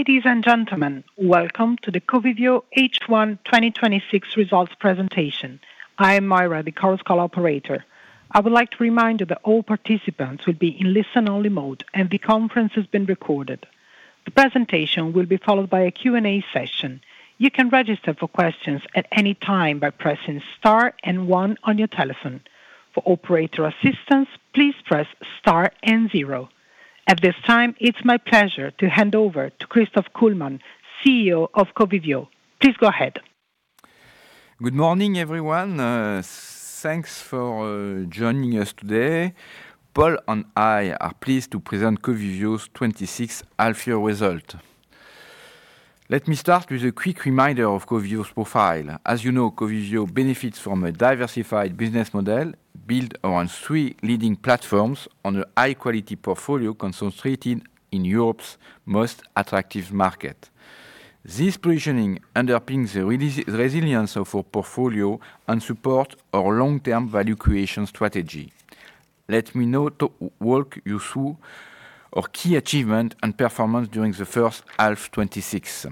Ladies and gentlemen, welcome to the Covivio H1 2026 results presentation. I am Myra, the conference call operator. I would like to remind you that all participants will be in listen-only mode, and the conference is being recorded. The presentation will be followed by a Q&A session. You can register for questions at any time by pressing star and one on your telephone. For operator assistance, please press star and zero. At this time, it is my pleasure to hand over to Christophe Kullmann, CEO of Covivio. Please go ahead. Good morning, everyone. Thanks for joining us today. Paul and I are pleased to present Covivio's 2026 half-year results. Let me start with a quick reminder of Covivio's profile. As you know, Covivio benefits from a diversified business model built around three leading platforms on a high-quality portfolio concentrated in Europe's most attractive market. This positioning underpins the resilience of our portfolio and supports our long-term value creation strategy. Let me now walk you through our key achievements and performance during the first half 2026.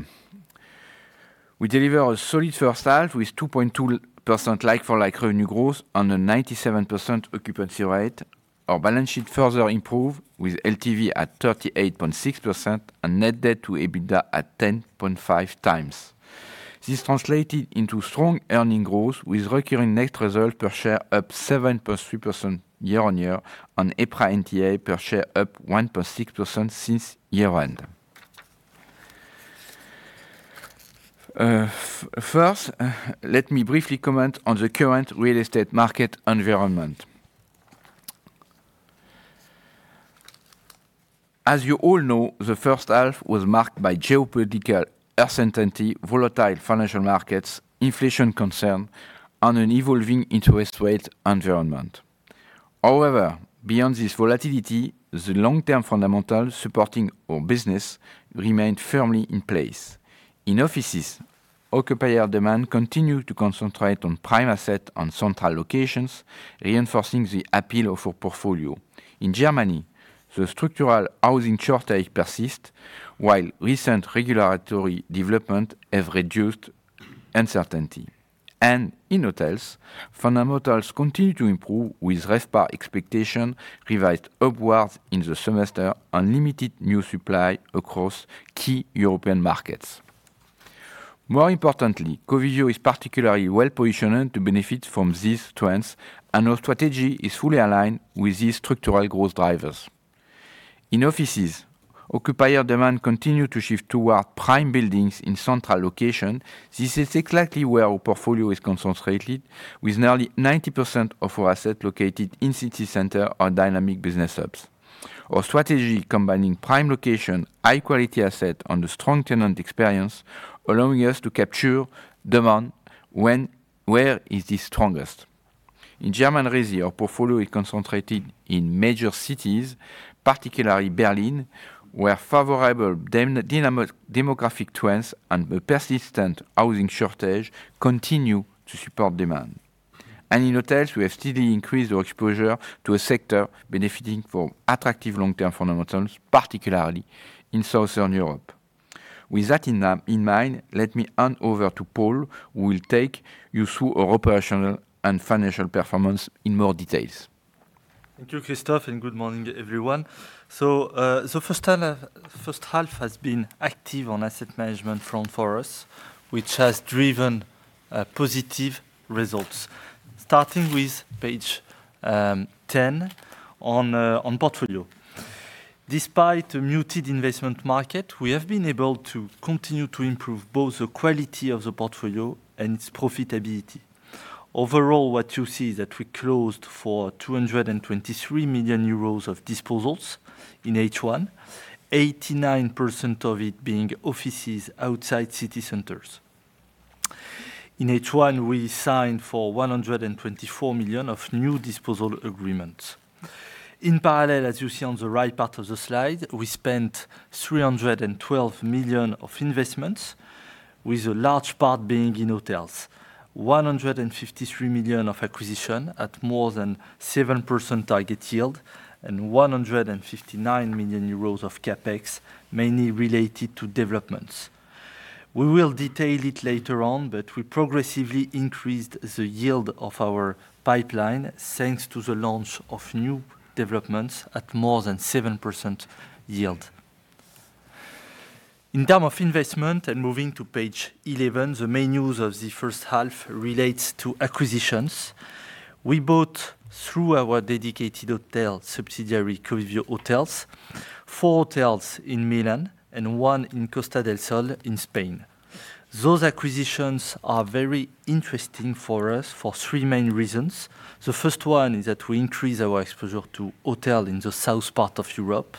We delivered a solid first half with 2.2% like-for-like revenue growth on a 97% occupancy rate. Our balance sheet further improved, with LTV at 38.6% and net debt to EBITDA at 10.5 times. This translated into strong earning growth, with recurring net results per share up 7.3% year-on-year and EPRA NTA per share up 1.6% since year-end. First, let me briefly comment on the current real estate market environment. As you all know, the first half was marked by geopolitical uncertainty, volatile financial markets, inflation concern, and an evolving interest rate environment. However, beyond this volatility, the long-term fundamentals supporting our business remained firmly in place. In offices, occupier demand continued to concentrate on prime assets and central locations, reinforcing the appeal of our portfolio. In Germany, the structural housing shortage persists while recent regulatory developments have reduced uncertainty. In hotels, fundamentals continue to improve with RevPAR expectations revised upwards in the semester and limited new supply across key European markets. More importantly, Covivio is particularly well-positioned to benefit from these trends. Our strategy is fully aligned with these structural growth drivers. In offices, occupier demand continued to shift towards prime buildings in central locations. This is exactly where our portfolio is concentrated, with nearly 90% of our assets located in city centers or dynamic business hubs. Our strategy combining prime locations, high-quality assets, and a strong tenant experience, allowing us to capture demand where it is the strongest. In German resi, our portfolio is concentrated in major cities, particularly Berlin, where favorable demographic trends and a persistent housing shortage continue to support demand. In hotels, we have steadily increased our exposure to a sector benefiting from attractive long-term fundamentals, particularly in Southern Europe. With that in mind, let me hand over to Paul, who will take you through our operational and financial performance in more detail. Thank you, Christophe. Good morning, everyone. The first half has been active on asset management front for us, which has driven positive results. Starting with page 10 on portfolio. Despite a muted investment market, we have been able to continue to improve both the quality of the portfolio and its profitability. Overall, what you see is that we closed for 223 million euros of disposals in H1, 89% of it being offices outside city centers. In H1, we signed for 124 million of new disposal agreements. In parallel, as you see on the right part of the slide, we spent 312 million of investments, with a large part being in hotels. 153 million of acquisition at more than 7% target yield, and 159 million euros of CapEx, mainly related to developments. We will detail it later on. We progressively increased the yield of our pipeline thanks to the launch of new developments at more than 7% yield. In terms of investment, moving to page 11, the main news of the first half relates to acquisitions. We bought, through our dedicated hotel subsidiary, Covivio Hotels, four hotels in Milan and one in Costa del Sol in Spain. Those acquisitions are very interesting for us for three main reasons. The first one is that we increase our exposure to hotels in the south part of Europe,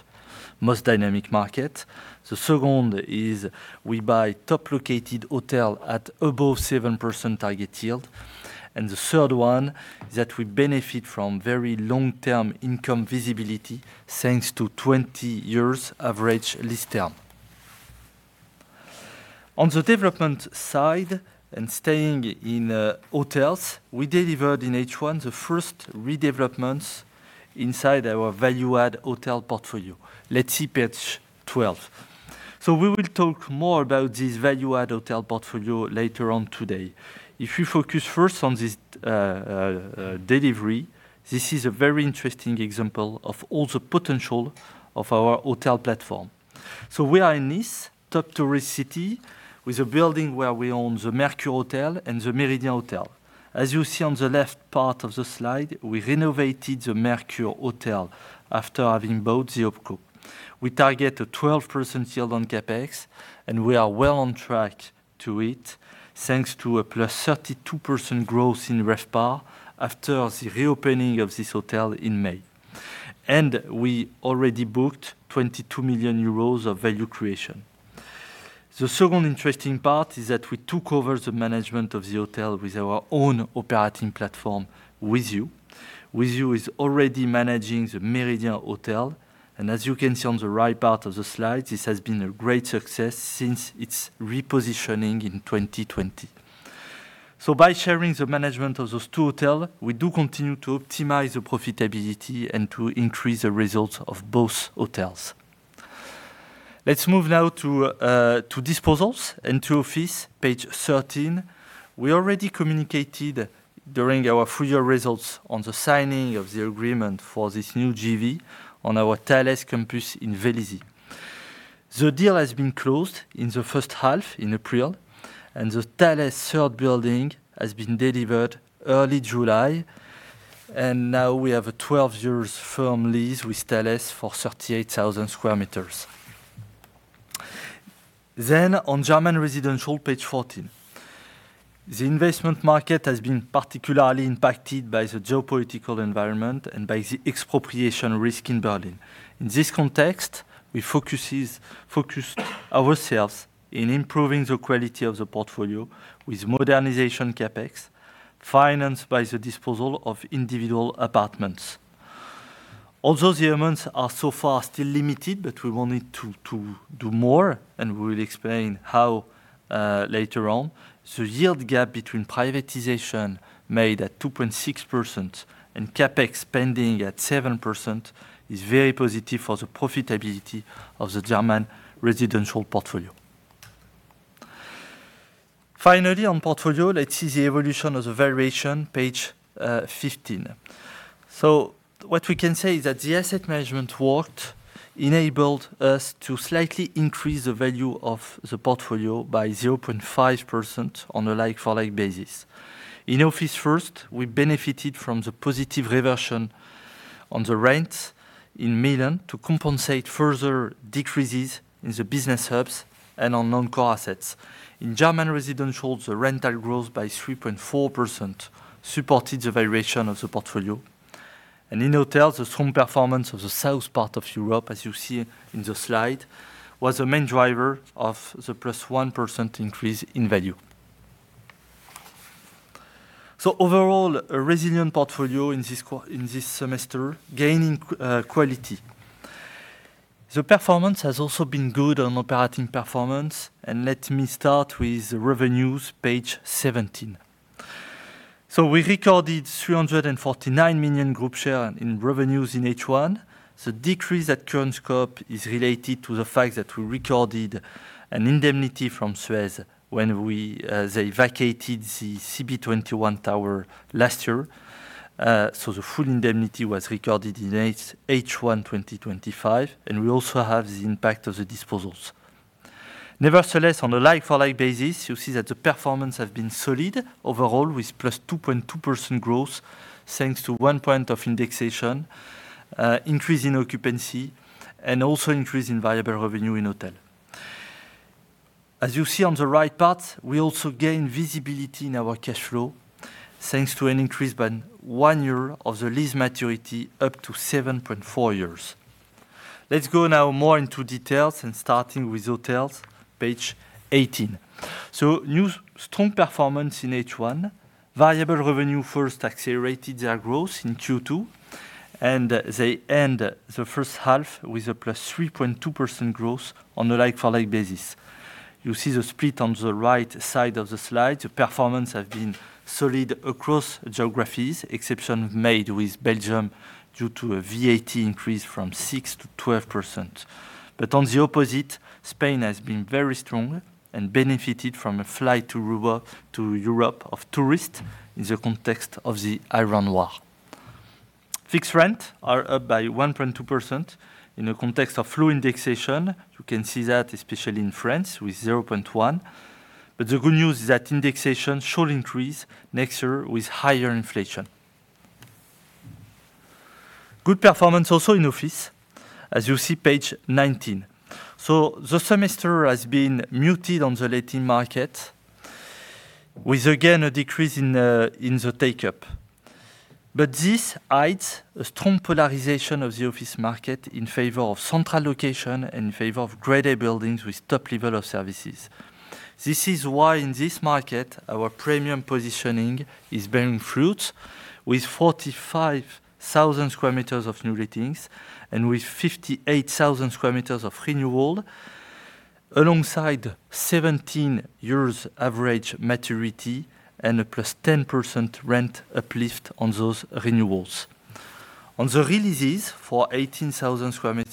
most dynamic market. The second is we buy top-located hotels at above 7% target yield. The third one is that we benefit from very long-term income visibility, thanks to 20 years average lease term. On the development side, staying in hotels, we delivered in H1 the first redevelopments inside our value add hotel portfolio. Let's see page 12. We will talk more about this value add hotel portfolio later on today. If you focus first on this delivery, this is a very interesting example of all the potential of our hotel platform. We are in this top tourist city with a building where we own the Mercure Hotel and the Le Méridien Hotel. As you see on the left part of the slide, we renovated the Mercure Hotel after having bought the Opco. We target a 12% yield on CapEx. We are well on track to it, thanks to a +32% growth in RevPAR after the reopening of this hotel in May. We already booked EUR 22 million of value creation. The second interesting part is that we took over the management of the hotel with our own operating platform, WiZiU. WiZiU is already managing the Le Méridien Hotel. As you can see on the right part of the slide, this has been a great success since its repositioning in 2020. By sharing the management of those two hotel, we do continue to optimize the profitability and to increase the results of both hotels. Let's move now to disposals, to office, page 13. We already communicated during our full-year results on the signing of the agreement for this new JV on our Thales campus in Vélizy. The deal has been closed in the first half in April. The Thales third building has been delivered early July. Now we have a 12 years firm lease with Thales for 38,000 sq m. On German residential, page 14. The investment market has been particularly impacted by the geopolitical environment and by the expropriation risk in Berlin. In this context, we focused ourselves in improving the quality of the portfolio with modernization CapEx, financed by the disposal of individual apartments. Although the amounts are so far still limited, we wanted to do more, and we will explain how, later on. The yield gap between privatization made at 2.6% and CapEx spending at 7% is very positive for the profitability of the German residential portfolio. Finally, on portfolio, let's see the evolution of the variation, page 15. What we can say is that the asset management work enabled us to slightly increase the value of the portfolio by 0.5% on a like-for-like basis. In office first, we benefited from the positive reversion on the rent in Milan to compensate further decreases in the business hubs and on non-core assets. In German residential, the rental growth by 3.4% supported the variation of the portfolio. In hotels, the strong performance of the south part of Europe, as you see in the slide, was the main driver of the +1% increase in value. Overall, a resilient portfolio in this semester, gaining quality. The performance has also been good on operating performance, and let me start with revenues, page 17. We recorded 349 million group share in revenues in H1. The decrease at current scope is related to the fact that we recorded an indemnity from Suez when they vacated the CB21 tower last year. The full indemnity was recorded in H1 2025, and we also have the impact of the disposals. Nevertheless, on a like-for-like basis, you see that the performance has been solid overall with +2.2% growth, thanks to one point of indexation, increase in occupancy, and also increase in variable revenue in hotel. As you see on the right part, we also gain visibility in our cash flow, thanks to an increase by one year of the lease maturity up to 7.4 years. Let's go now more into details and starting with hotels, page 18. New strong performance in H1. Variable revenue first accelerated their growth in Q2, they end the first half with a +3.2% growth on a like-for-like basis. You see the split on the right side of the slide. The performance has been solid across geographies, exception made with Belgium due to a VAT increase from 6%-12%. On the opposite, Spain has been very strong and benefited from a flight to Europe of tourists in the context of the Iran war. Fixed rent are up by 1.2% in the context of low indexation. You can see that especially in France with 0.1%. The good news is that indexation should increase next year with higher inflation. Good performance also in office, as you see, page 19. The semester has been muted on the letting market with, again, a decrease in the take-up. This hides a strong polarization of the office market in favor of central location, in favor of Grade A buildings with top level of services. This is why in this market, our premium positioning is bearing fruit with 45,000 sq m of new lettings and with 58,000 sq m of renewal. Alongside 17 years average maturity and a +10% rent uplift on those renewals. On the releases for 18,000 sq m,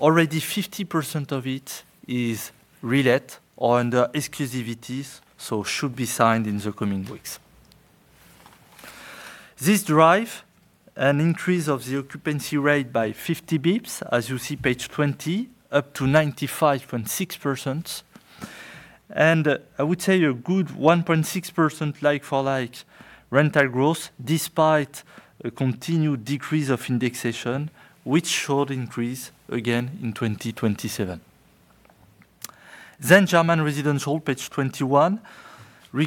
already 50% of it is relet or under exclusivities, should be signed in the coming weeks. This drive an increase of the occupancy rate by 50 bps, as you see, page 20, up to 95.6%. I would say a good 1.6% like-for-like rental growth despite a continued decrease of indexation, which should increase again in 2027. German residential, page 21. We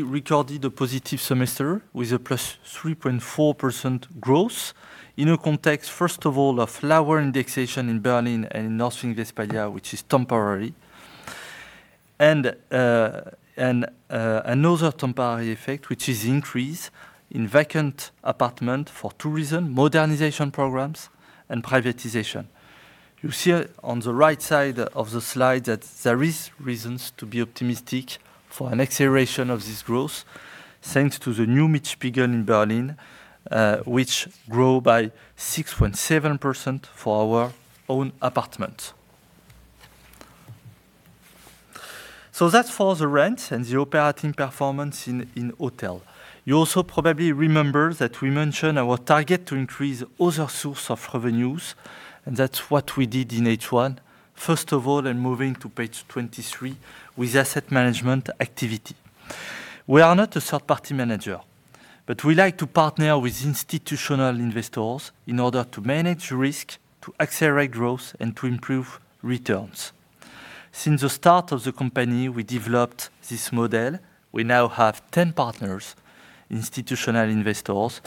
recorded a positive semester with a +3.4% growth in a context, first of all, of lower indexation in Berlin and in North Rhine-Westphalia, which is temporary. Another temporary effect, which is increase in vacant apartment for tourism, modernization programs, and privatization. You see on the right side of the slide that there is reasons to be optimistic for an acceleration of this growth thanks to the new Mietspiegel in Berlin, which grow by 6.7% for our own apartment. That's for the rent and the operating performance in hotel. You also probably remember that we mentioned our target to increase other source of revenues, that's what we did in H1. First of all, moving to page 23, with asset management activity. We are not a third-party manager, but we like to partner with institutional investors in order to manage risk, to accelerate growth, and to improve returns. Since the start of the company, we developed this model. We now have 10 partners, institutional investors,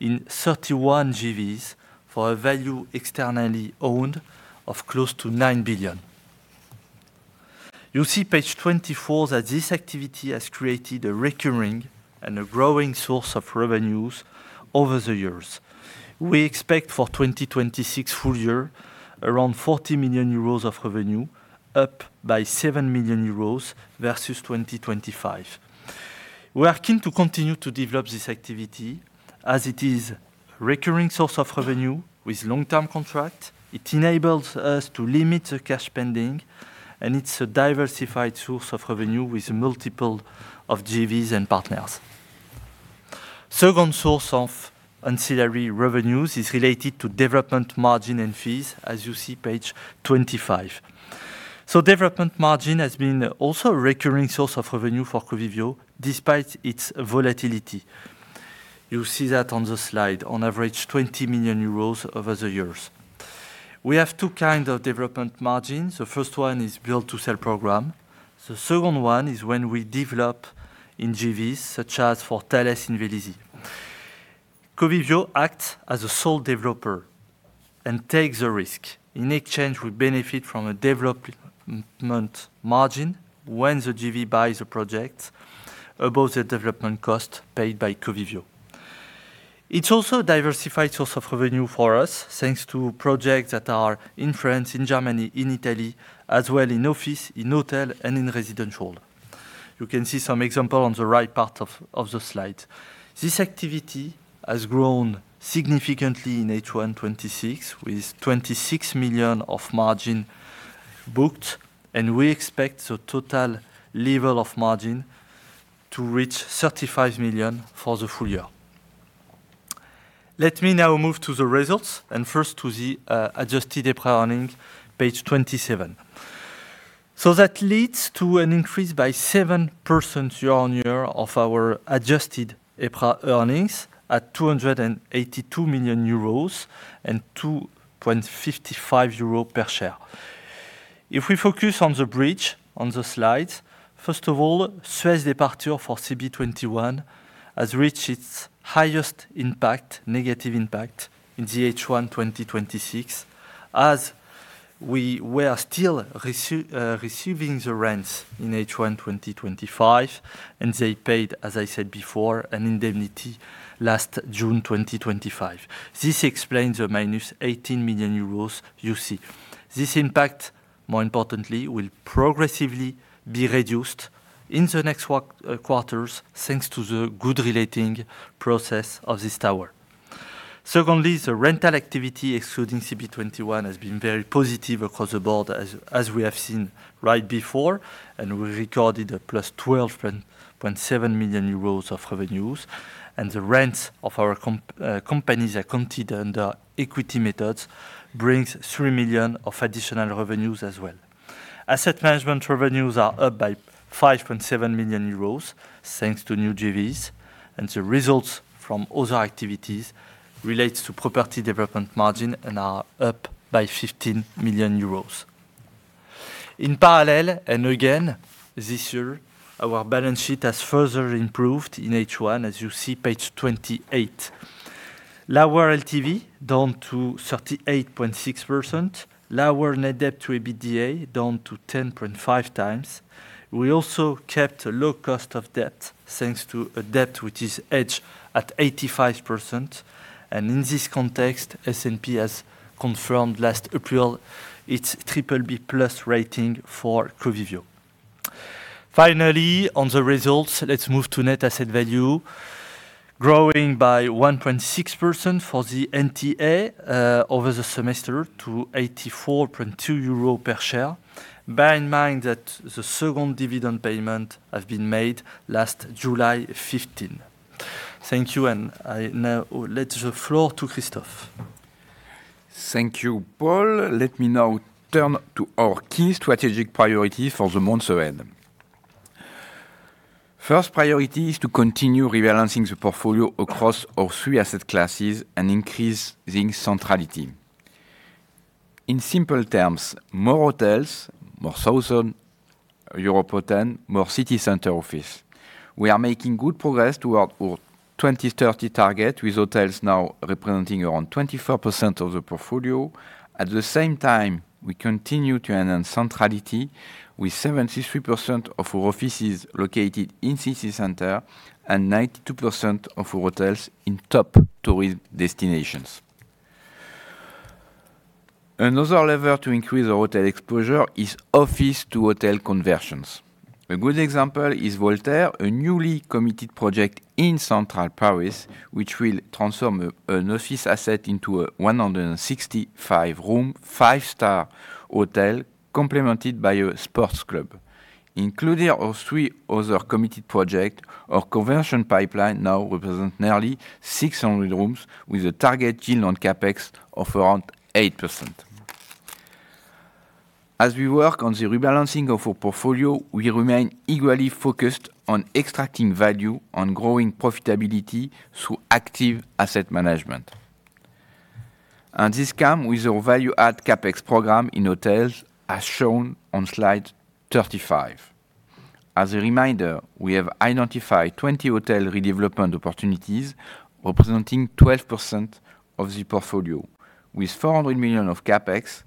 in 31 JVs for a value externally owned of close to 9 billion. You see, page 24, that this activity has created a recurring and a growing source of revenues over the years. We expect for 2026 full year, around 40 million euros of revenue, up by 7 million euros versus 2025. We are keen to continue to develop this activity as it is recurring source of revenue with long-term contract. It enables us to limit the cash spending, it's a diversified source of revenue with multiple of JVs and partners. Second source of ancillary revenues is related to development margin and fees, as you see, page 25. Development margin has been also a recurring source of revenue for Covivio, despite its volatility. You see that on the slide. On average, 20 million euros over the years. We have two kinds of development margin. The first one is build to sell program. The second one is when we develop in JVs, such as for Thales in Vélizy. Covivio acts as a sole developer and takes the risk. In exchange, we benefit from a development margin when the JV buys a project above the development cost paid by Covivio. It's also a diversified source of revenue for us, thanks to projects that are in France, in Germany, in Italy, as well in office, in hotel, and in residential. You can see some example on the right part of the slide. This activity has grown significantly in H1 2026, with 26 million of margin booked, we expect the total level of margin to reach 35 million for the full year. Let me now move to the results, first to the Adjusted EPRA Earnings, page 27. That leads to an increase by 7% year-over-year of our Adjusted EPRA Earnings at 282 million euros and 2.55 euros per share. We focus on the bridge on the slides. First of all, Suez departure for CB21 has reached its highest impact, negative impact, in the H1 2026, as we were still receiving the rents in H1 2025, and they paid, as I said before, an indemnity last June 2025. This explains the minus 18 million euros you see. This impact, more importantly, will progressively be reduced in the next quarters thanks to the good relating process of this tower. Secondly, the rental activity excluding CB21 has been very positive across the board, as we have seen right before, and we recorded a plus 12.7 million euros of revenues, and the rents of our companies accounted under equity methods brings 3 million of additional revenues as well. Asset management revenues are up by 5.7 million euros thanks to new JVs. The results from other activities relates to property development margin and are up by 15 million euros. In parallel, again, this year, our balance sheet has further improved in H1, as you see, page 28. Lower LTV, down to 38.6%. Lower net debt to EBITDA, down to 10.5 times. We also kept a low cost of debt thanks to a debt which is hedged at 85%. In this context, S&P has confirmed last April its BBB+ rating for Covivio. Finally, on the results, let's move to net asset value growing by 1.6% for the NTA over the semester to 84.2 euro per share. Bear in mind that the second dividend payment has been made last July 15. Thank you. I now let the floor to Christophe. Thank you, Paul. Let me now turn to our key strategic priority for the months ahead. First priority is to continue rebalancing the portfolio across our three asset classes and increasing centrality. In simple terms, more hotels, more southern European, more city center office. We are making good progress toward our 2030 target, with hotels now representing around 24% of the portfolio. At the same time, we continue to enhance centrality with 73% of our offices located in city center and 92% of hotels in top tourist destinations. Another lever to increase our hotel exposure is office-to-hotel conversions. A good example is Voltaire, a newly committed project in central Paris, which will transform an office asset into a 165-room, five-star hotel complemented by a sports club. Including our three other committed project, our conversion pipeline now represents nearly 600 rooms with a target yield on CapEx of around 8%. As we work on the rebalancing of our portfolio, we remain equally focused on extracting value, on growing profitability through active asset management. This come with our value-add CapEx program in hotels, as shown on slide 35. As a reminder, we have identified 20 hotel redevelopment opportunities representing 12% of the portfolio. With 400 million of CapEx,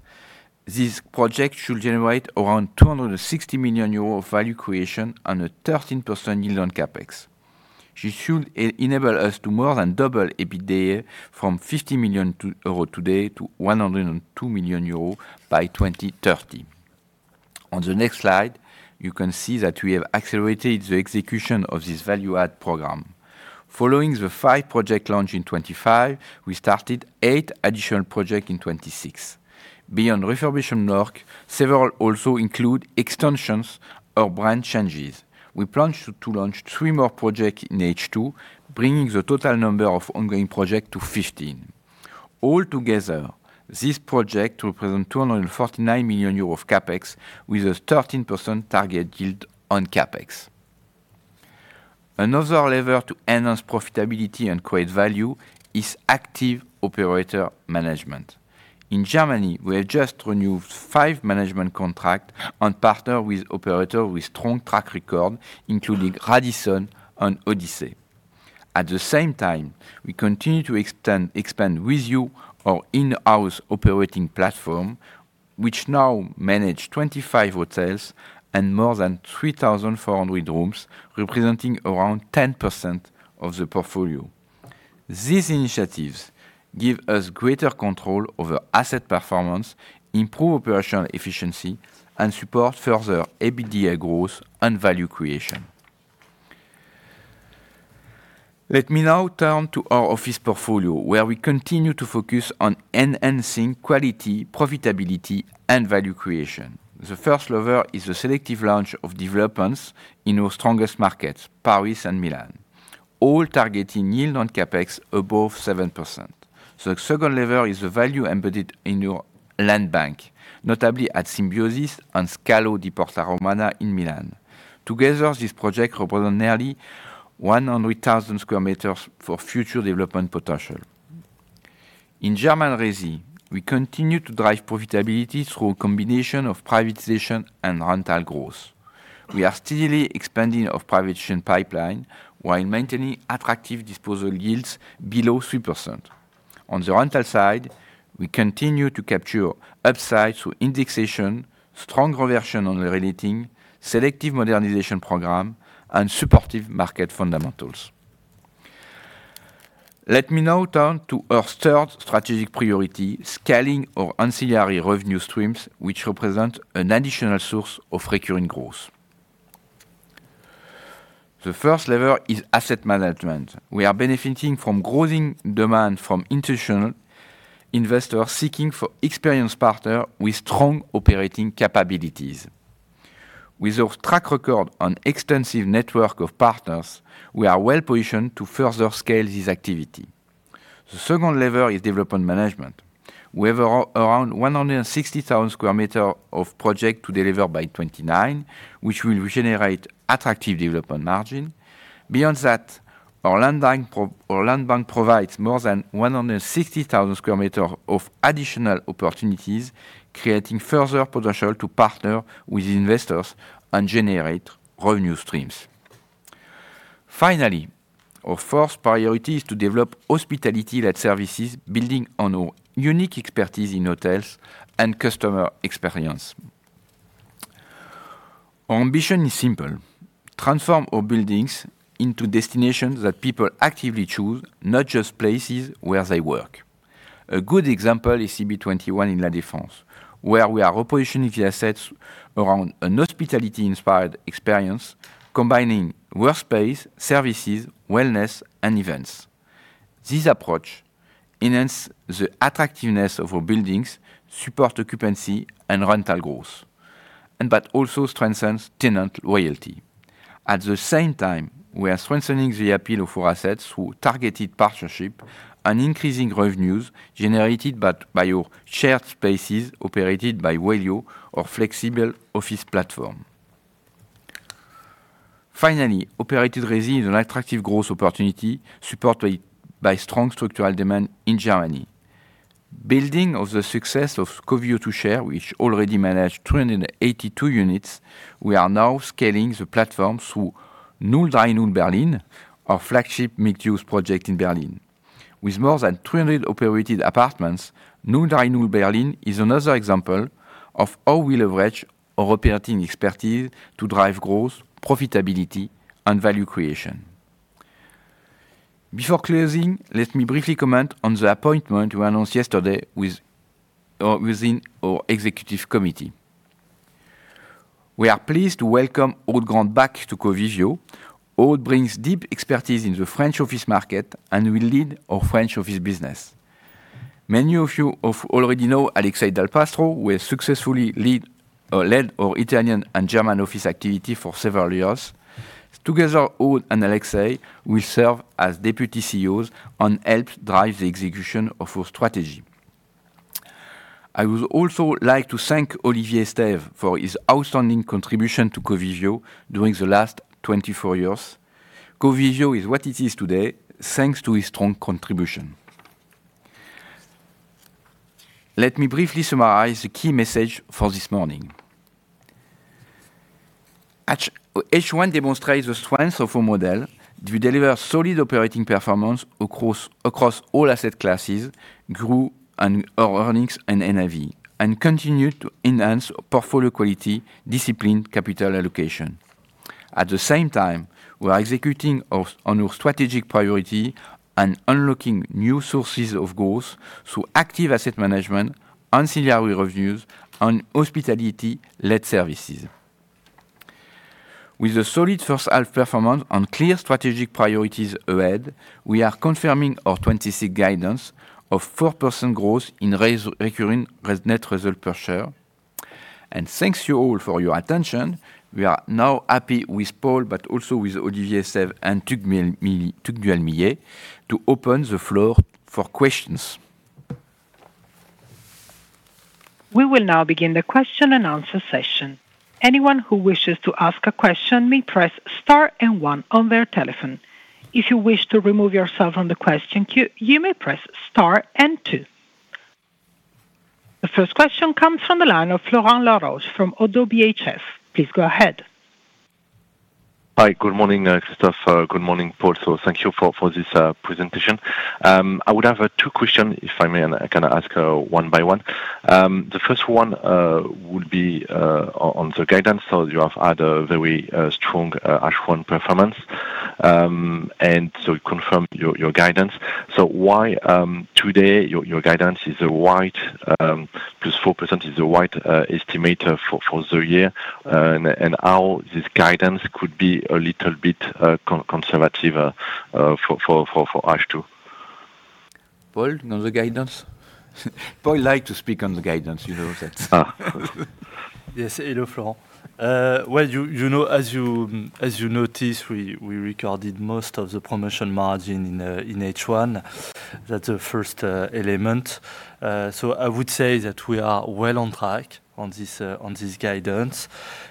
this project should generate around 260 million euros of value creation and a 13% yield on CapEx. This should enable us to more than double EBITDA from 50 million euro today to 102 million euro by 2030. On the next slide, you can see that we have accelerated the execution of this value add program. Following the five project launch in 2025, we started eight additional project in 2026. Beyond refurbishment work, several also include extensions or brand changes. We plan to launch three more projects in H2, bringing the total number of ongoing projects to 15. All together, these projects represent 249 million euros of CapEx with a 13% target yield on CapEx. Another lever to enhance profitability and create value is active operator management. In Germany, we have just renewed five management contracts and partner with operator with strong track record, including Radisson and Essendi. At the same time, we continue to expand WiZiU our in-house operating platform, which now manage 25 hotels and more than 3,400 rooms, representing around 10% of the portfolio. These initiatives give us greater control over asset performance, improve operational efficiency, and support further EBITDA growth and value creation. Let me now turn to our office portfolio, where we continue to focus on enhancing quality, profitability, and value creation. The first lever is the selective launch of developments in our strongest markets, Paris and Milan, all targeting yield on CapEx above 7%. The second lever is the value embedded in your land bank, notably at Symbiosis and Scalo di Porta Romana in Milan. Together, these projects represent nearly 100,000 sq m for future development potential. In German resi, we continue to drive profitability through a combination of privatization and rental growth. We are steadily expanding our privatization pipeline while maintaining attractive disposal yields below 3%. On the rental side, we continue to capture upside through indexation, strong reversion on relating, selective modernization program, and supportive market fundamentals. Let me now turn to our third strategic priority, scaling our ancillary revenue streams, which represent an additional source of recurring growth. The first lever is asset management. We are benefiting from growing demand from institutional investors seeking for experienced partner with strong operating capabilities. With our track record on extensive network of partners, we are well-positioned to further scale this activity. The second lever is development management. We have around 160,000 sq m of projects to deliver by 2029, which will generate attractive development margin. Beyond that, our land bank provides more than 160,000 sq m of additional opportunities, creating further potential to partner with investors and generate revenue streams. Finally, our fourth priority is to develop hospitality-led services, building on our unique expertise in hotels and customer experience. Our ambition is simple. Transform our buildings into destinations that people actively choose, not just places where they work. A good example is CB21 in La Défense, where we are repositioning the assets around a hospitality-inspired experience, combining workspace, services, wellness, and events. This approach enhances the attractiveness of our buildings, supports occupancy and rental growth, and also strengthens tenant loyalty. At the same time, we are strengthening the appeal of our assets through targeted partnerships and increasing revenues generated by our shared spaces operated by Wellio, our flexible office platform. Finally, operated residency is an attractive growth opportunity supported by strong structural demand in Germany. Building on the success of Covivio to share, which already manages 282 units, we are now scaling the platform through 030 Berlin, our flagship mixed-use project in Berlin. With more than 200 operated apartments, 030 Berlin is another example of how we leverage our operating expertise to drive growth, profitability, and value creation. Before closing, let me briefly comment on the appointment we announced yesterday within our executive committee. We are pleased to welcome Aude Grant back to Covivio. Aude brings deep expertise in the French office market and will lead our French office business. Many of you already know Alexei Dal Pastro, who has successfully led our Italian and German office activity for several years. Together, Aude and Alexei will serve as deputy CEOs and help drive the execution of our strategy. I would also like to thank Olivier Estève for his outstanding contribution to Covivio during the last 24 years. Covivio is what it is today, thanks to his strong contribution. Let me briefly summarize the key message for this morning. H1 demonstrates the strength of our model to deliver solid operating performance across all asset classes, grew our earnings and NAV, and continued to enhance portfolio quality, discipline, capital allocation. At the same time, we are executing on our strategic priority and unlocking new sources of growth through active asset management and ancillary revenues and hospitality-led services. With a solid first half performance and clear strategic priorities ahead, we are confirming our 2026 guidance of 4% growth in recurring net result per share. Thank you all for your attention. We are now happy with Paul, but also with Olivier Estève and Tugdual Millet to open the floor for questions. We will now begin the question and answer session. Anyone who wishes to ask a question may press star and one on their telephone. If you wish to remove yourself from the question queue, you may press star and two. The first question comes from the line of Florent La Roche from Oddo BHF. Please go ahead. Hi. Good morning, Christophe. Good morning, Paul. Thank you for this presentation. I would have two questions, if I may. I can ask one by one. The first one would be on the guidance. You have had a very strong H1 performance, you confirm your guidance. Why today your guidance is a wide, +4% is a wide estimator for the year, and how this guidance could be a little bit conservative for H2? Paul, on the guidance? Paul likes to speak on the guidance. Yes. Hello, Florent. Well, as you noticed, we recorded most of the promotion margin in H1. That's the first element. I would say that we are well on track on this guidance.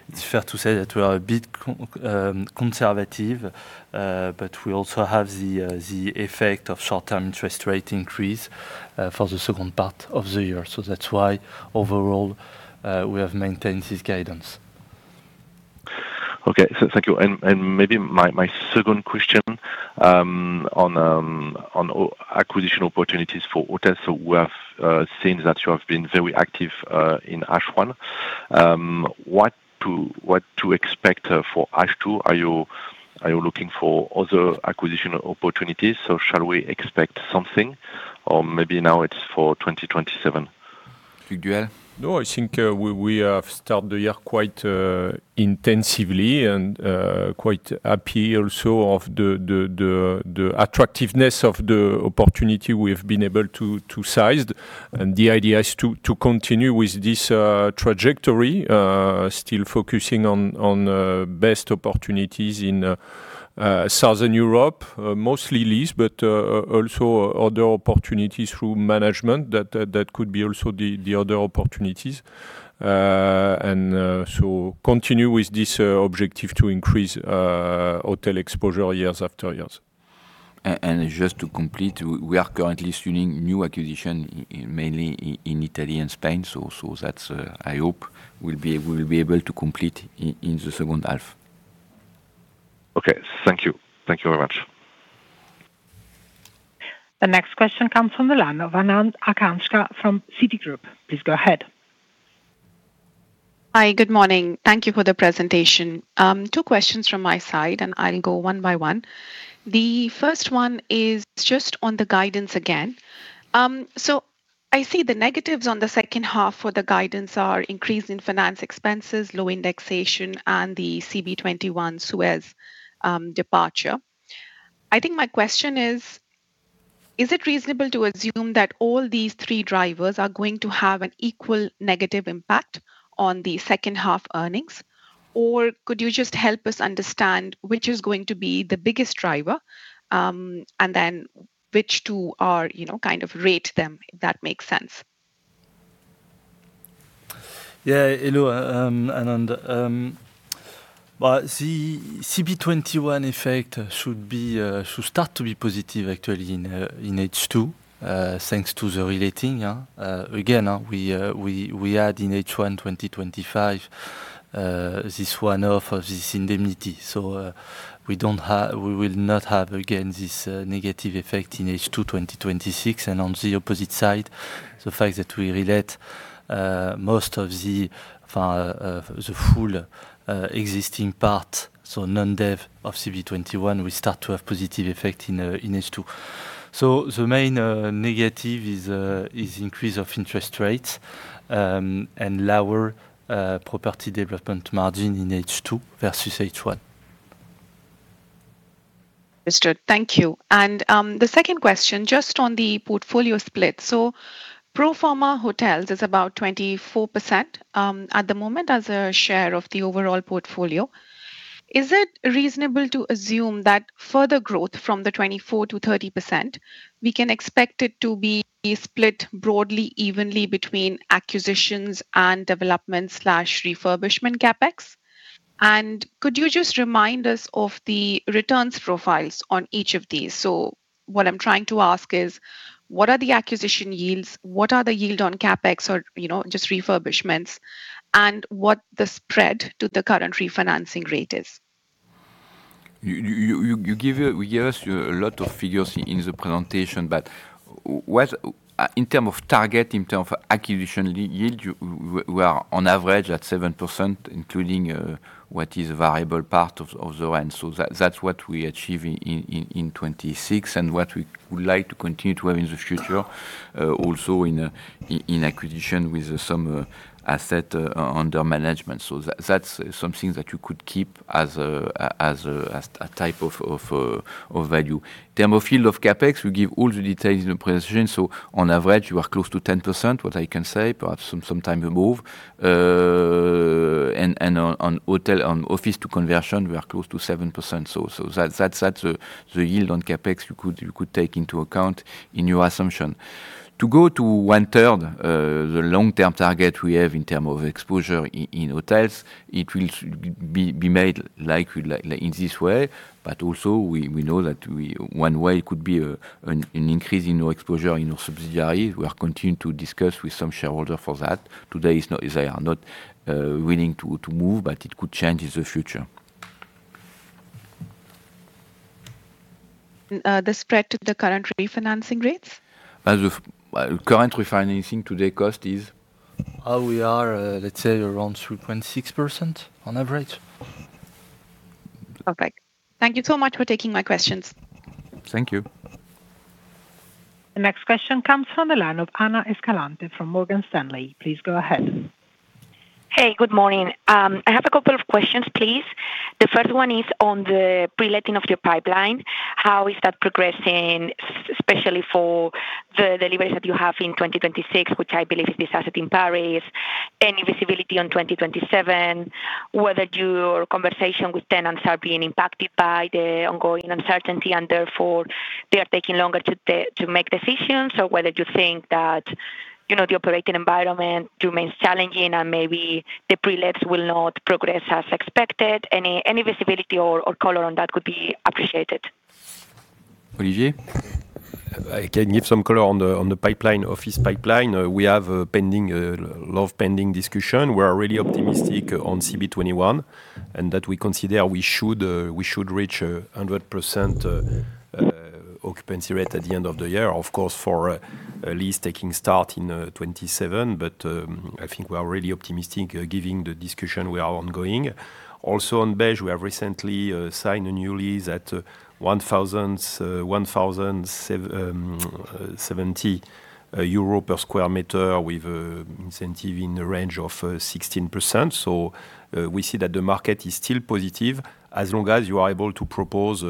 It's fair to say that we are a bit conservative, but we also have the effect of short-term interest rate increase for the second part of the year. That's why overall, we have maintained this guidance. Okay. Thank you. Maybe my second question on acquisition opportunities for hotels. We have seen that you have been very active in H1. What to expect for H2? Are you looking for other acquisition opportunities, so shall we expect something? Maybe now it's for 2027? Tugdual? No, I think we have started the year quite intensively and quite happy also of the attractiveness of the opportunity we have been able to size. The idea is to continue with this trajectory, still focusing on the best opportunities in Southern Europe, mostly leased, but also other opportunities through management. That could be also the other opportunities. Continue with this objective to increase hotel exposure years after years. Just to complete, we are currently screening new acquisitions, mainly in Italy and Spain. That, I hope, we will be able to complete in the second half. Okay. Thank you. Thank you very much. The next question comes from the line of Anand Akansha from Citigroup. Please go ahead. Hi. Good morning. Thank you for the presentation. Two questions from my side, and I'll go one by one. The first one is just on the guidance again. I see the negatives on the second half for the guidance are increase in finance expenses, low indexation, and the CB21 Suez departure. I think my question is: Is it reasonable to assume that all these three drivers are going to have an equal negative impact on the second half earnings? Could you just help us understand which is going to be the biggest driver, and then which two are, kind of rate them, if that makes sense. Hello, Anand. The CB21 effect should start to be positive actually in H2, thanks to the relating. Again, we had in H1 2025, this one-off of this indemnity, we will not have, again, this negative effect in H2 2026. On the opposite side, the fact that we relate most of the full existing part, non-dev, of CB21, we start to have positive effect in H2. The main negative is increase of interest rates, lower property development margin in H2 versus H1. Understood. Thank you. The second question, just on the portfolio split. Pro forma hotels is about 24% at the moment as a share of the overall portfolio. Is it reasonable to assume that further growth from the 24% to 30%, we can expect it to be split broadly evenly between acquisitions and development/refurbishment CapEx? Could you just remind us of the returns profiles on each of these? What I'm trying to ask is: What are the acquisition yields? What are the yield on CapEx or, just refurbishments? What the spread to the current refinancing rate is. We gave a lot of figures in the presentation, in term of target, in term of acquisition yield, we are on average at 7%, including what is a variable part of the rent. That's what we achieve in 2026, what we would like to continue to have in the future, also in acquisition with some asset under management. That's something that you could keep as a type of value. In term of field of CapEx, we give all the details in the presentation, on average, we are close to 10%, what I can say, perhaps some time above. On office-to-conversion, we are close to 7%. That's the yield on CapEx you could take into account in your assumption. To go to one-third, the long-term target we have in term of exposure in hotels, it will be made likely in this way. Also, we know that one way could be an increase in your exposure in your subsidiary. We are continuing to discuss with some shareholder for that. Today, they are not willing to move, it could change in the future. The spread to the current refinancing rates? Current refinancing today cost is how we are, let's say around 3.6% on average. Perfect. Thank you so much for taking my questions. Thank you. The next question comes from the line of Ana Escalante from Morgan Stanley. Please go ahead. Hey, good morning. I have a couple of questions, please. The first one is on the pre-letting of your pipeline. How is that progressing, especially for the deliveries that you have in 2026, which I believe is this asset in Paris? Any visibility on 2027? Whether your conversation with tenants are being impacted by the ongoing uncertainty, therefore they are taking longer to make decisions? Whether you think that the operating environment remains challenging and maybe the pre-lets will not progress as expected. Any visibility or color on that would be appreciated. Olivier. I can give some color on the office pipeline. We have a lot of pending discussion. We are really optimistic on CB21 in that we consider we should reach 100% occupancy rate at the end of the year. Of course, for lease taking start in 2027. I think we are really optimistic given the discussion we are ongoing. Also on Bej, we have recently signed a new lease at 1,070 per square meter with incentive in the range of 16%. We see that the market is still positive as long as you are able to propose,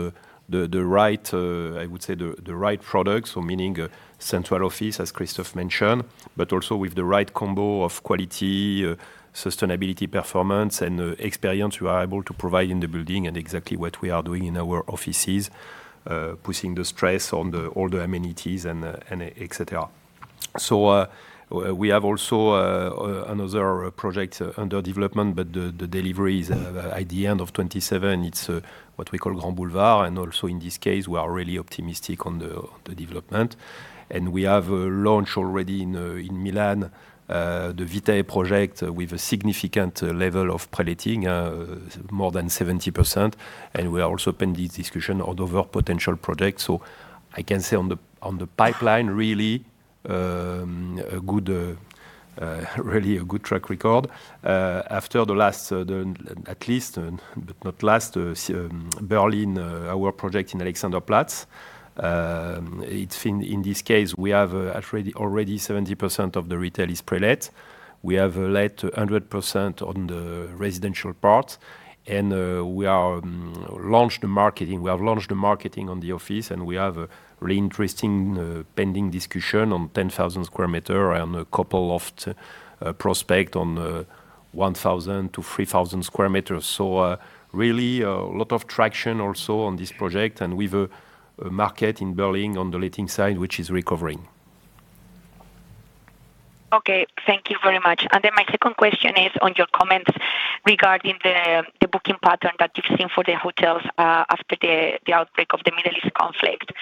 I would say the right product, meaning central office, as Christophe mentioned, but also with the right combo of quality, sustainability performance, and experience we are able to provide in the building. Exactly what we are doing in our offices, putting the stress on all the amenities and et cetera. We have also another project under development, but the delivery is at the end of 2027. It is what we call Grand Boulevard. Also in this case, we are really optimistic on the development We have launched already in Milan, the Vitae project with a significant level of pre-letting, more than 70%. We are also opening this discussion on other potential projects. I can say on the pipeline, really a good track record. After the last, at least, but not last, Berlin, our project in Alexanderplatz. In this case, we have already 70% of the retail is pre-let. We have let 100% on the residential part. We have launched the marketing on the office, and we have a really interesting pending discussion on 10,000 square meters and a couple of prospect on 1,000 to 3,000 square meters. Really, a lot of traction also on this project and with a market in Berlin on the letting side, which is recovering. Thank you very much. My second question is on your comments regarding the booking pattern that you've seen for the hotels after the outbreak of the Middle East conflict.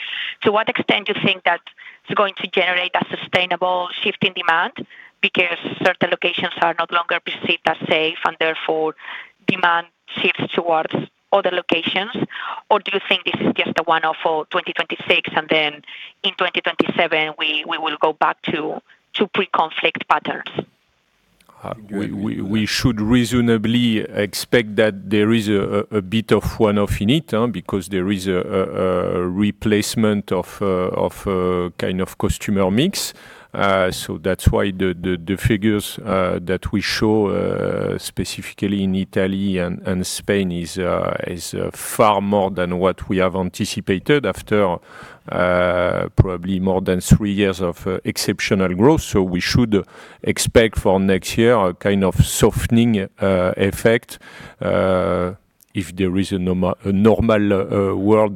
To what extent do you think that it's going to generate a sustainable shift in demand? Because certain locations are no longer perceived as safe, therefore demand shifts towards other locations. Or do you think this is just a one-off for 2026, then in 2027, we will go back to pre-conflict patterns? We should reasonably expect that there is a bit of one-off in it, because there is a replacement of customer mix. That's why the figures that we show specifically in Italy and Spain is far more than what we have anticipated after probably more than three years of exceptional growth. We should expect for next year, a kind of softening effect, if there is a normal world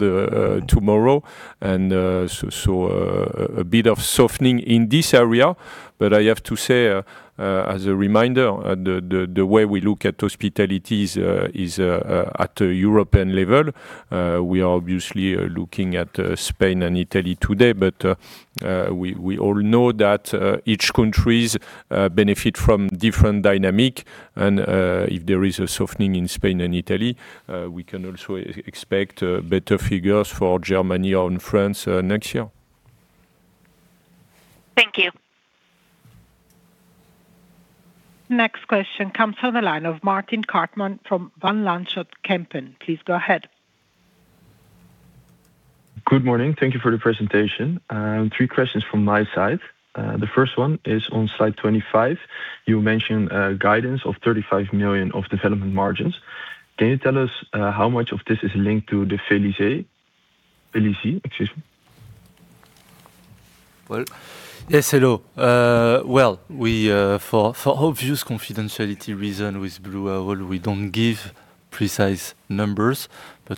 tomorrow. A bit of softening in this area. I have to say, as a reminder, the way we look at hospitality is at a European level. We are obviously looking at Spain and Italy today. But we all know that each countries benefit from different dynamic. If there is a softening in Spain and Italy, we can also expect better figures for Germany or in France next year. Thank you. Next question comes on the line of Martin Crum from Van Lanschot Kempen. Please go ahead. Good morning. Thank you for the presentation. Three questions from my side. The first one is on slide 25. You mentioned guidance of 35 million of development margins. Can you tell us how much of this is linked to the Vélizy? Excuse me. Yes, hello. Well, for obvious confidentiality reason with Blue Owl, we don't give precise numbers.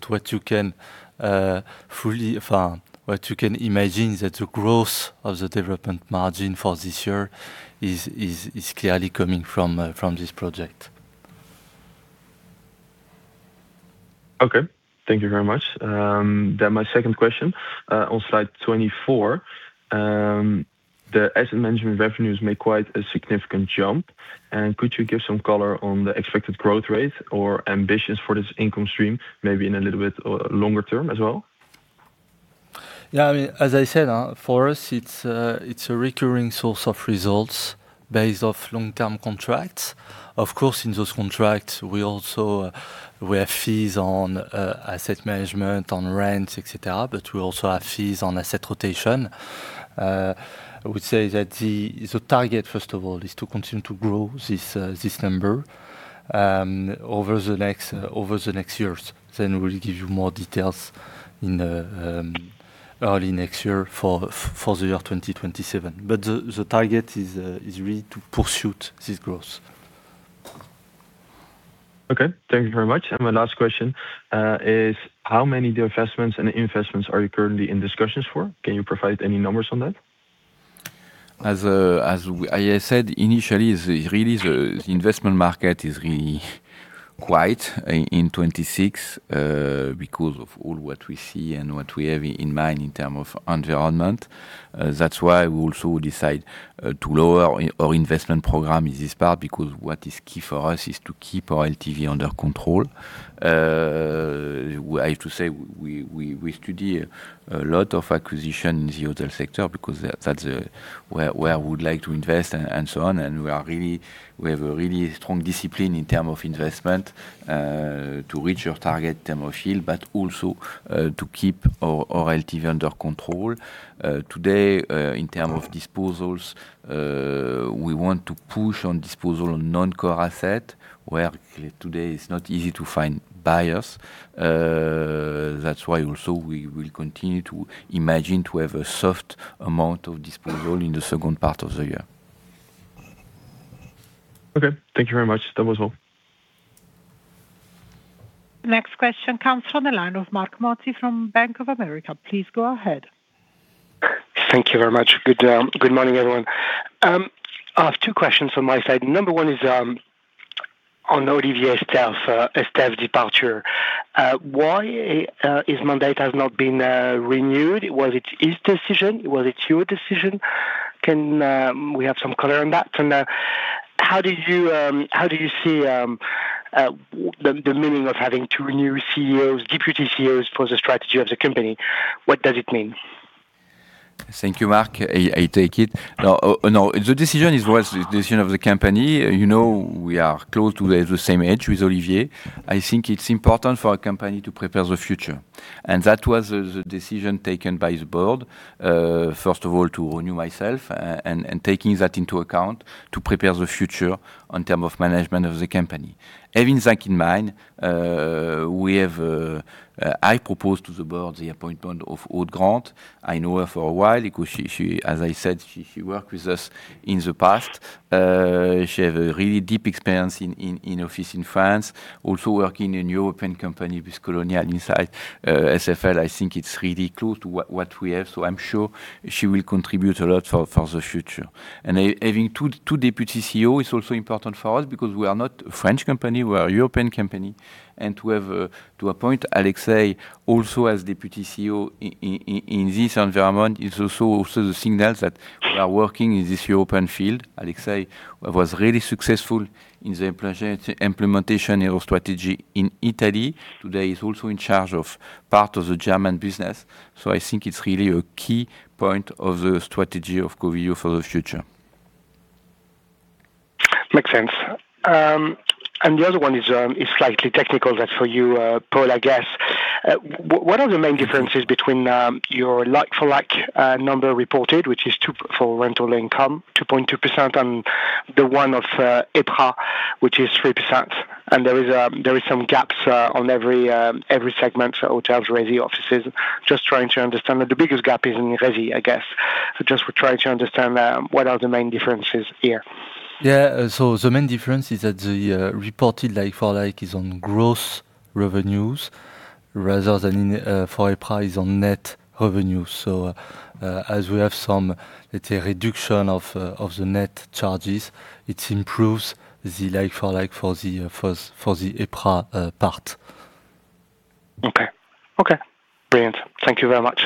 What you can imagine is that the growth of the development margin for this year is clearly coming from this project. Okay. Thank you very much. My second question, on slide 24, the asset management revenues make quite a significant jump. Could you give some color on the expected growth rate or ambitions for this income stream, maybe in a little bit longer term as well? Yeah, as I said, for us, it's a recurring source of results based off long-term contracts. Of course, in those contracts, we have fees on asset management, on rents, et cetera, but we also have fees on asset rotation. I would say that the target, first of all, is to continue to grow this number over the next years. We'll give you more details early next year for the year 2027. The target is really to pursue this growth. Okay. Thank you very much. My last question is, how many divestments and investments are you currently in discussions for? Can you provide any numbers on that? As I said initially, the investment market is really quiet in 2026, because of all what we see and what we have in mind in terms of environment. We also decide to lower our investment program in this part, because what is key for us is to keep our LTV under control. I have to say, we study a lot of acquisition in the hotel sector because that's where we would like to invest and so on. We have a really strong discipline in terms of investment, to reach our target term of yield, but also to keep our LTV under control. Today, in terms of disposals, we want to push on disposal on non-core asset, where today it's not easy to find buyers. We also will continue to imagine to have a soft amount of disposal in the second part of the year. Okay. Thank you very much. That was all. Next question comes from the line of Mark Marti from Bank of America. Please go ahead. Thank you very much. Good morning, everyone. I have two questions on my side. Number one is On Olivier Estève's departure, why his mandate has not been renewed? Was it his decision? Was it your decision? Can we have some color on that? How do you see the meaning of having to renew CEOs, deputy CEOs for the strategy of the company? What does it mean? Thank you, Mark. I take it. No, the decision is worth the decision of the company. We are close to the same age with Olivier. I think it's important for a company to prepare the future. That was the decision taken by the board, first of all, to renew myself, and taking that into account to prepare the future in term of management of the company. Having that in mind, I proposed to the board the appointment of Aude Grant. I know her for a while, because as I said, she worked with us in the past. She have a really deep experience in office in France, also working in European company with Colonial inside SFL. I think it's really close to what we have. I'm sure she will contribute a lot for the future. Having two deputy CEO is also important for us because we are not a French company, we are a European company, and to appoint Alexei also as Deputy CEO in this environment is also the signals that we are working in this European field. Alexei was really successful in the implementation of strategy in Italy. Today he's also in charge of part of the German business. I think it's really a key point of the strategy of Covivio for the future. The other one is slightly technical. That's for you, Paul, I guess. What are the main differences between your like-for-like number reported, which is for rental income, 2.2%, and the one of EPRA, which is 3%? There is some gaps on every segment, hotels, resi, offices. Just trying to understand. The biggest gap is in resi, I guess. Just trying to understand what are the main differences here. Yeah. The main difference is that the reported like-for-like is on gross revenues rather than for EPRA is on net revenue. As we have some, let's say, reduction of the net charges, it improves the like-for-like for the EPRA part. Okay. Brilliant. Thank you very much.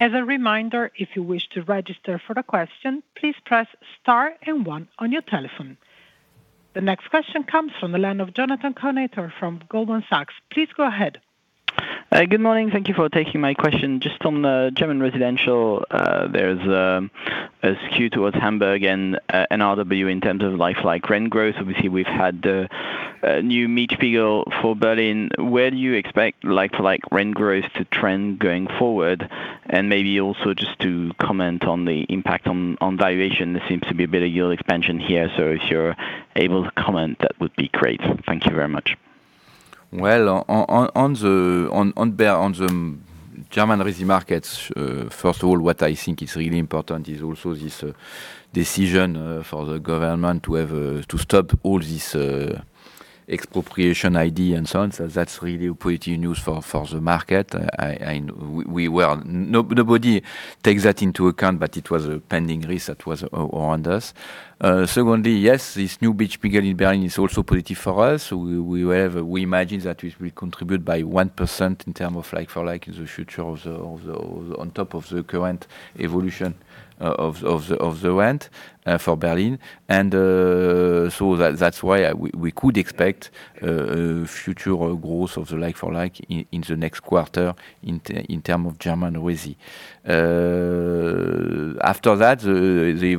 As a reminder, if you wish to register for a question, please press star and one on your telephone. The next question comes from the line of Jonathan Kownator from Goldman Sachs. Please go ahead. Good morning. Thank you for taking my question. Just on the German residential, there is a skew towards Hamburg and NRW in terms of like-for-like rent growth. Obviously, we have had the new Mietspiegel for Berlin. Where do you expect like-for-like rent growth to trend going forward? Maybe also just to comment on the impact on valuation. There seems to be a bit of yield expansion here, so if you are able to comment, that would be great. Thank you very much. Well, on the German resi markets, first of all, what I think is really important is also this decision for the government to stop all this expropriation ID and so on. That is really pretty news for the market. Nobody takes that into account, but it was a pending risk that was on us. Secondly, yes, this new Mietspiegel in Berlin is also positive for us. We imagine that we contribute by 1% in terms of like-for-like in the future on top of the current evolution of the rent for Berlin. That is why we could expect future growth of the like-for-like in the next quarter in terms of German resi. After that, the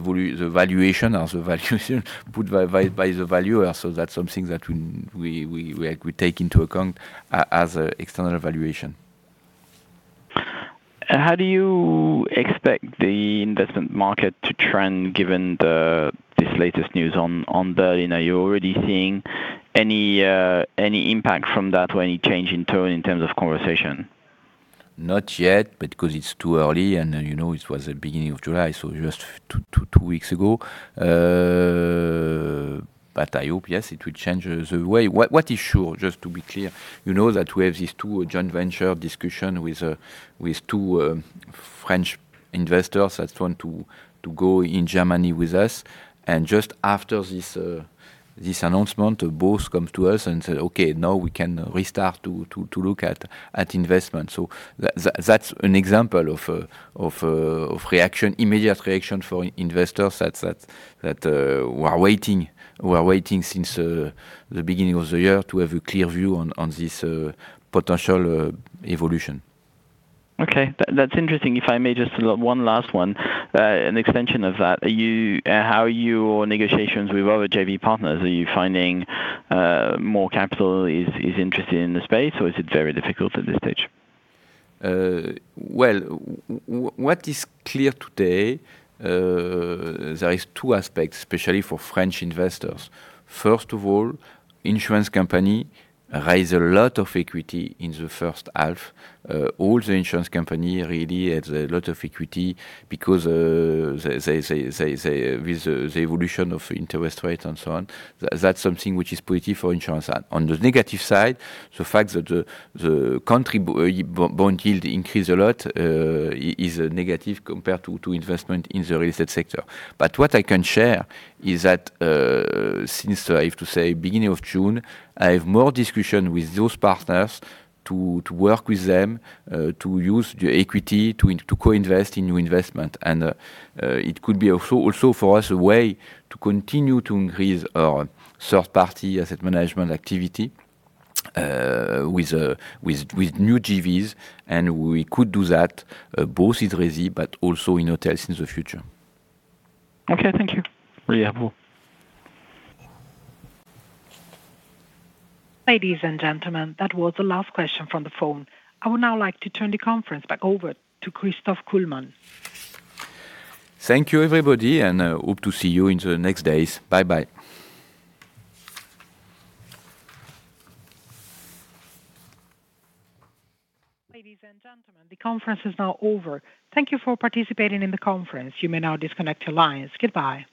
valuation or the valuation put by the valuer, that is something that we take into account as an external valuation. How do you expect the investment market to trend given this latest news on Berlin? Are you already seeing any impact from that or any change in tone in terms of conversation? Not yet, because it is too early and it was the beginning of July, so just two weeks ago. I hope, yes, it will change the way. What is sure, just to be clear, you know that we have these two joint venture discussion with two French investors that want to go in Germany with us. Just after this announcement, both come to us and said, "Okay, now we can restart to look at investment." That is an example of immediate reaction from investors that were waiting since the beginning of the year to have a clear view on this potential evolution. Okay. That's interesting. If I may, just one last one, an extension of that. How are your negotiations with other JV partners? Are you finding more capital is interested in the space, or is it very difficult at this stage? Well, what is clear today, there is two aspects, especially for French investors. First of all, insurance company raise a lot of equity in the first half. All the insurance company really has a lot of equity because with the evolution of interest rates and so on, that's something which is pretty for insurance. On the negative side, the fact that the country bond yield increase a lot is negative compared to investment in the real estate sector. What I can share is that, since I have to say beginning of June, I have more discussion with those partners to work with them, to use the equity to co-invest in new investment. It could be also for us a way to continue to increase our third-party asset management activity with new JVs, and we could do that both with resi, but also in hotels in the future. Okay, thank you. Yeah. Ladies and gentlemen, that was the last question from the phone. I would now like to turn the conference back over to Christophe Kullmann. Thank you, everybody, and hope to see you in the next days. Bye-bye. Ladies and gentlemen, the conference is now over. Thank you for participating in the conference. You may now disconnect your lines. Goodbye.